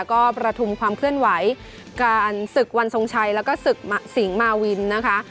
ก็ประทุมความเคลื่อนไหวการศึกวันทรงชัยแล้วก็ศึกสิงหมาวินนะคะ